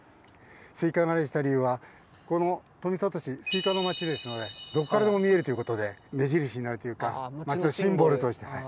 スイカ柄にした理由はこの富里市「スイカの街」ですのでどこからも見えるということで目印になるというか街のシンボルとして。